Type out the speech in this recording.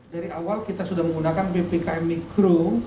dari awal kita sudah menggunakan ppkm mikro